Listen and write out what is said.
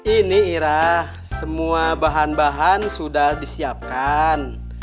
ini ira semua bahan bahan sudah disiapkan